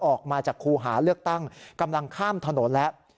ออกมาจากคูหาเลือกตั้งกำลังข้ามถนนแล้ว